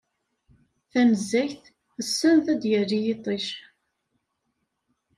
Tanezzayt, send ad d-yali yiṭij.